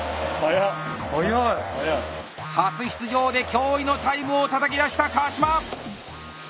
初出場で驚異のタイムをたたき出した川島！